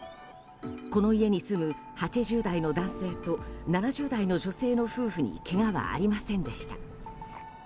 この家に住む８０代の男性と７０代の女性の夫婦にけがはありませんでした。